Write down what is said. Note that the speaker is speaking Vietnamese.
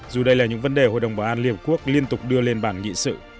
dù đây là những vấn đề hội đồng bảo an liều quốc liên tục đưa lên bảng nghị sự